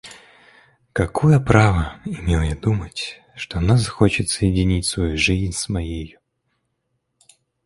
Какое право имел я думать, что она захочет соединить свою жизнь с моею?